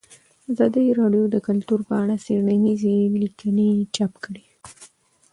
ازادي راډیو د کلتور په اړه څېړنیزې لیکنې چاپ کړي.